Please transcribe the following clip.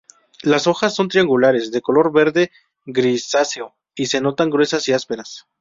Las hojas son triangulares de color verde-grisáceo y se notan gruesas y ásperas.